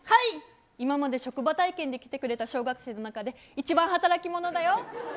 今まで職場体験できてくれた小学生の中で一番働き者だよ。